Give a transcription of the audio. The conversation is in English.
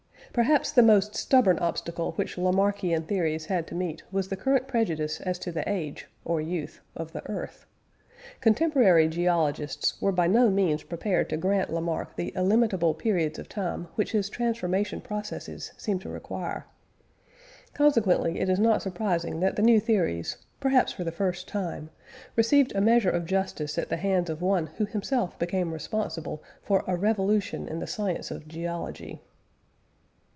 Perhaps the most stubborn obstacle which Lamarckian theories had to meet was the current prejudice as to the age (or youth) of the earth. Contemporary geologists were by no means prepared to grant Lamarck the illimitable periods of time which his transformation processes seemed to require. Consequently it is not surprising that the new theories, perhaps for the first time, received a measure of justice at the hands of one who himself became responsible for a revolution in the science of geology.